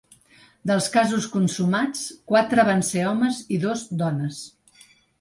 Dels casos consumats, quatre van ser homes i dos dones.